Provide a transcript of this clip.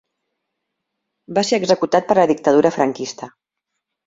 Va ser executat per la dictadura franquista.